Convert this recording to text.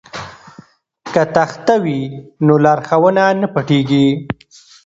که تخته وي نو لارښوونه نه پټیږي.